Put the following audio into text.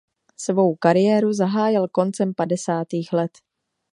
Svou kariéru zahájil koncem padesátých let.